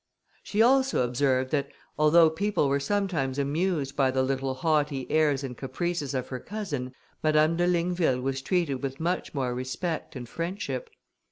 She also observed, that although people were sometimes amused by the little haughty airs and caprices of her cousin, Madame de Ligneville was treated with much more respect and friendship.